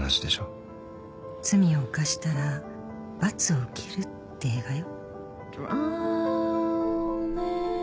罪を犯したら罰を受けるって映画よ。